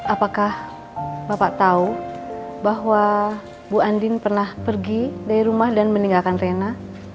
apakah bapak tahu bahwa bu andin pernah pergi dari rumah dan meninggalkan rena